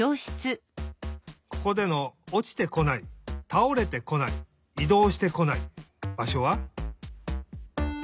ここでの「おちてこない」「たおれてこない」「いどうしてこない」ばしょは？